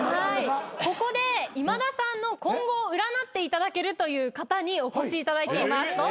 ここで今田さんの今後を占っていただけるという方にお越しいただいています。